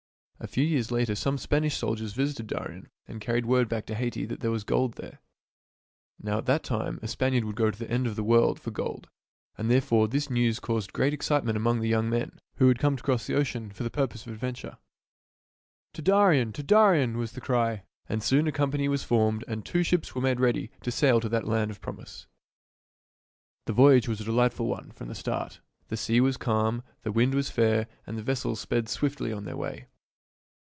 A few years later some Spanish sailors visited Darien and carried word back to Haiti that there was gold there. Now at that time a Spaniard would go to the end of the world for gold, and therefore this news caused great excite ment among the young men who had come across the ocean for the purpose of adventure. "UPON A PEAK IN DARIEN " II " To Darien ! to Darien !" was the cry ; and soon a company was formed and two ships were made ready to sail to that land of promise. The voyage was a delightful one from the start. The sea was calm, the wind was fair, and the vessels sped swiftly on their way.